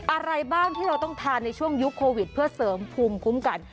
อะไรบ้างที่เราต้องทานในช่วงยุคโควิดเพื่อเสริมภูมิคุ้มกัน